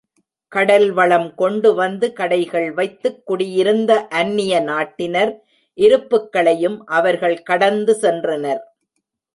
கடல்வளம் கொண்டு வந்து கடைகள் வைத்துக் குடியிருந்த அந்நிய நாட்டினர் இருப்புகளையும் அவர்கள் கடந்து சென்றனர்.